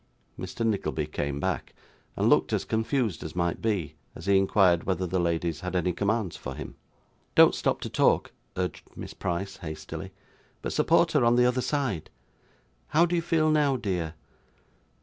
Mr. Nickleby came back, and looked as confused as might be, as he inquired whether the ladies had any commands for him. 'Don't stop to talk,' urged Miss Price, hastily; 'but support her on the other side. How do you feel now, dear?